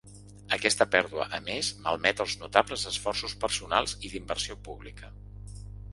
Aquesta pèrdua, a més, malmet els notables esforços personals i d’inversió pública.